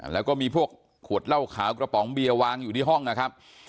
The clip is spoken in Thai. แล้วก็มีพวกขวดเหล้าขาวกระป๋องเบียร์วางอยู่ที่ห้องนะครับ